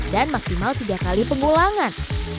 dan maksimal tiga kali pengulangan